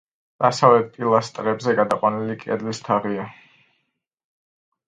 დასავლეთით პილასტრებზე გადაყვანილი კედლის თაღია.